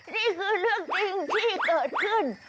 นี่คือเรื่องจริงที่เกิดขึ้น